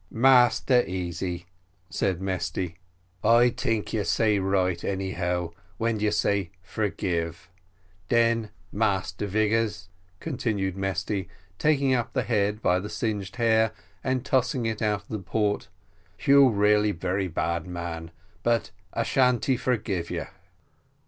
"Massy Easy," said Mesty, "I tink you say right, anyhow, when you say forgive: den, Massa Vigors," continued Mesty, taking up the head by the singed hair, and tossing it out of the port, "you really very bad man but Ashantee forgive you."